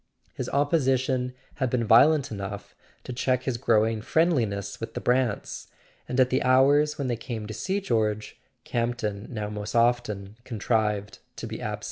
His opposition had been violent enough to check his growing friendliness with the Brants; and at the hours when they came to see George, Campton now most often contrived to be absent.